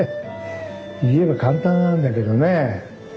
言えば簡単なんだけどね。